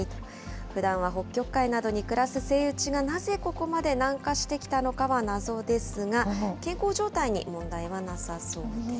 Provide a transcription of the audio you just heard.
ふだんは北極海などに暮らすセイウチが、なぜここまで南下してきたのかは謎ですが、健康状態に問題はなさそうです。